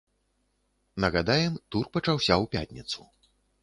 Нагадаем, тур пачаўся ў пятніцу.